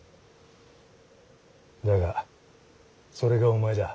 だがそれがお前だ。